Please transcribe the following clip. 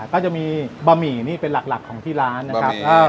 ก็จะมีบะหมี่นี่เป็นหลักของที่ร้านนะครับ